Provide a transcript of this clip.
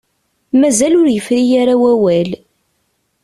Mazal ur yefri ara wawal.